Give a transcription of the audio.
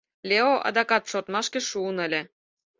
Лео адакат шортмашке шуын ыле.